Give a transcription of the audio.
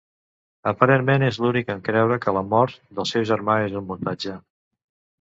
Aparentment és l'únic en creure que la mort del seu germà és un muntatge.